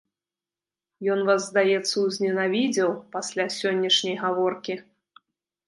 Ён вас, здаецца, узненавідзеў пасля сённяшняй гаворкі?